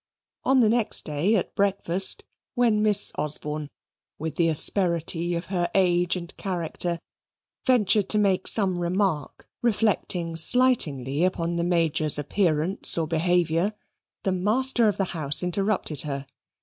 On the next day at breakfast, when Miss Osborne, with the asperity of her age and character, ventured to make some remark reflecting slightingly upon the Major's appearance or behaviour the master of the house interrupted her.